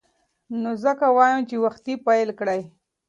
نو ځکه وایم چې وختي پیل کړئ.